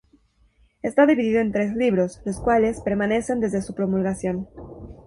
Está dividido en tres libros, los cuales permanecen desde su promulgación.